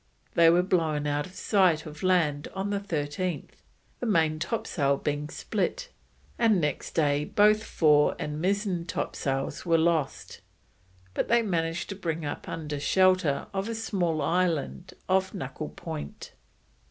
They were blown out of sight of land on the 13th, the main topsail being split, and next day both fore and mizzen topsails were lost, but they managed to bring up under shelter of a small island off Knuckle Point.